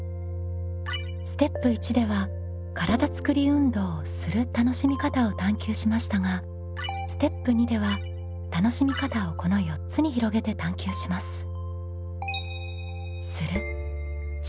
ステップ１では体つくり運動をする楽しみ方を探究しましたがステップ２では楽しみ方をこの４つに広げて探究します。